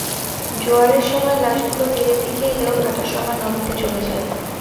জোয়ারের সময় লাশগুলো তীরের দিকে এলেও ভাটার সময় নদীতে চলে যায়।